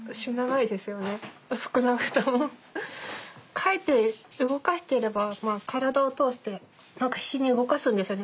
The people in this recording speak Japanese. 描いて動かしていれば体を通して何か必死に動かすんですよね。